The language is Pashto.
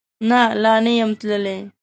نه، لا نه یم تللی